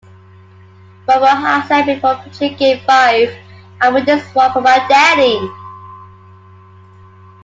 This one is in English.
Bobo had said before pitching Game Five, I'll win this one for my daddy.